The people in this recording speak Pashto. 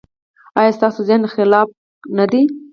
ایا ستاسو ذهن خلاق نه دی؟